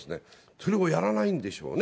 それをやらないんでしょうね。